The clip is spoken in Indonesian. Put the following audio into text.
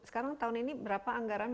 sekarang tahun ini berapa anggaran